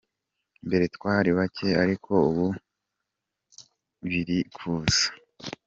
Mbere twari bake ariko ubu biri kuza.